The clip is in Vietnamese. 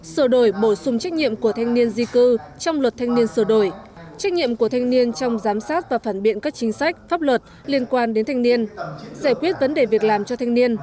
sửa đổi bổ sung trách nhiệm của thanh niên di cư trong luật thanh niên sửa đổi trách nhiệm của thanh niên trong giám sát và phản biện các chính sách pháp luật liên quan đến thanh niên giải quyết vấn đề việc làm cho thanh niên